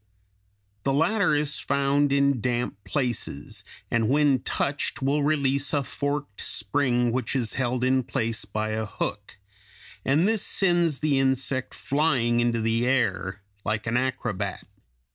The latter is found in damp places, and when touched will release a forked spring which is held in place by a hook, and this sends the insect flying into the air like an acrobat.